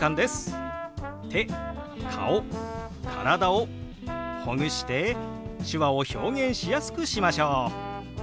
手顔体をほぐして手話を表現しやすくしましょう！